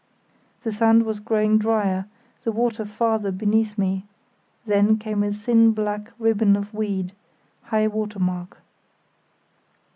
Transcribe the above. The sand was growing drier, the water farther beneath me; then came a thin black ribbon of weed—high water mark.